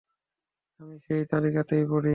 আমি সেই তালিকাতেই পড়ি।